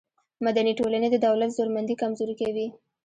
مدني ټولنې د دولت زورمندي کمزورې کوي.